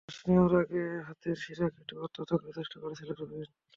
ফাঁস নেওয়ার আগে হাতের শিরা কেটেও আত্মহত্যা করার চেষ্টা করেছিলেন রবিন।